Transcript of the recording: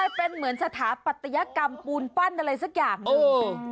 เป็นเหมือนสถาปัตยกรรมปูนปั้นอะไรสักอย่างหนึ่ง